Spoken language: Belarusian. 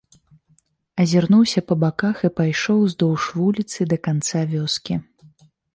Азірнуўся па баках і пайшоў уздоўж вуліцы да канца вёскі.